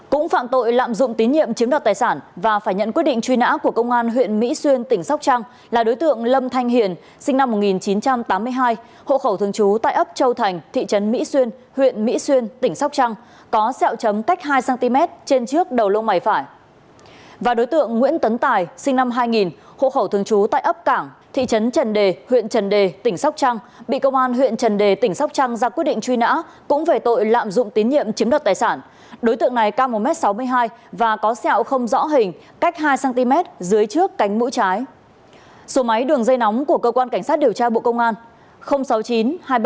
cũng phạm tội lạm dụng tín nhiệm chiếm đoạt tài sản có xeo chấm cách hai cm trên trước đầu lông mày phải